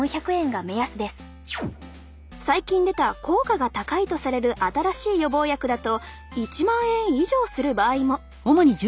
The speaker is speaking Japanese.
最近出た効果が高いとされる新しい予防薬だと１万円以上する場合も。